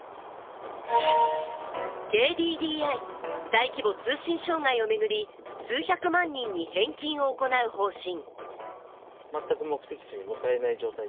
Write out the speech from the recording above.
ＫＤＤＩ、大規模通信障害を巡り数百万人に返金を行う方針。